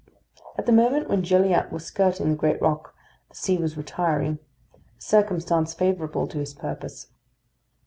At the moment when Gilliatt was skirting the great rock the sea was retiring; a circumstance favourable to his purpose.